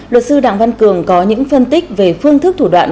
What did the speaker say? luật sư đặng văn cường có những phân tích về phương thức thủ đoạn